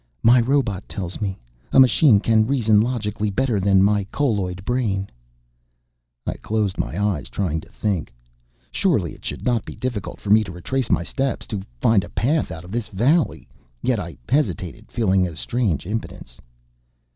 "My robot tells me. A machine can reason logically, better than a colloid brain." I closed my eyes, trying to think. Surely it should not be difficult for me to retrace my steps, to find a path out of this valley. Yet I hesitated, feeling a strange impotence.